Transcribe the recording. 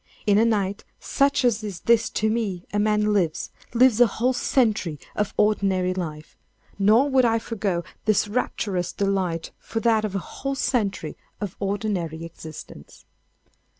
In a night such as is this to me, a man lives—lives a whole century of ordinary life—nor would I forego this rapturous delight for that of a whole century of ordinary existence.